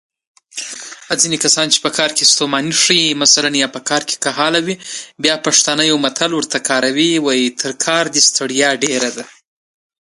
چې نفوس د ډېرېدو سره په متناسب شکل د سواد کچه لوړه نه شي